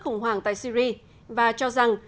khủng hoảng tại syri và cho rằng